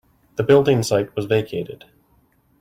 The building site was vacated.